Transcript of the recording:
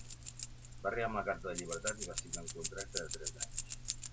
Va arribar amb la carta de llibertat i va signar un contracte de tres anys.